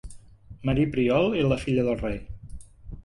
Marie Priault era la filla del rei.